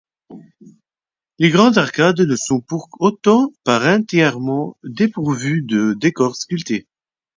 Les grandes arcades ne sont pour autant pas entièrement dépourvues de décor sculpté.